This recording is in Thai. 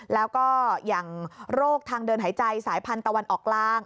แล้วก็อย่างโรคทางเดินหายใจสายพันธุตะวันออกกลาง